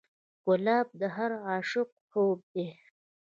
ګلاب د هر عاشق خوب دی.